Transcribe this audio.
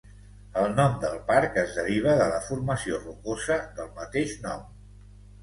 El nom del parc es deriva de la formació rocosa del mateix nom.